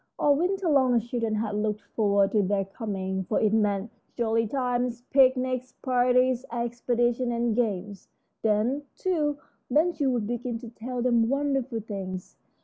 All winter long the children had looked forward to their coming, for it meant jolly times: picnics, parties, expeditions, and games. Then, too, Ben Gile would begin to tell them wonderful things.